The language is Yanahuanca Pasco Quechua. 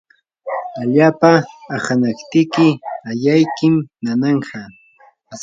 allapa ahanaptiki ayaykim nananqa.